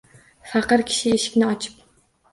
Faqir kishi eshikni ochib